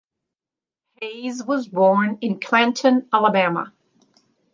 Hayes was born in Clanton, Alabama.